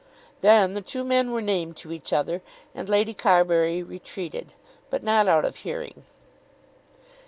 Then the two men were named to each other, and Lady Carbury retreated; but not out of hearing.